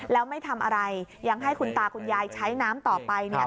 แล้วไม่ทำอะไรยังให้คุณตาคุณยายใช้น้ำต่อไปเนี่ย